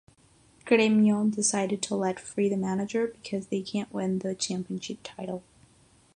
Gremio decided to let free the manager, because they can't win the championship title.